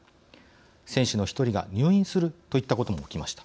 選手の１人が入院するといったことも起きました。